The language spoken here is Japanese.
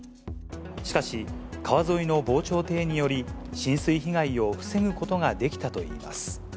しかし、川沿いの防潮堤により、浸水被害を防ぐことができたといいます。